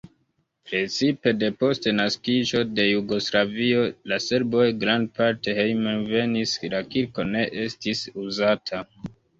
Precipe depost naskiĝo de Jugoslavio la serboj grandparte hejmenvenis, la kirko ne estis uzata.